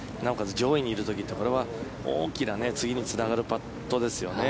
上位にいる時ってこれは大きな次につながるパットですよね。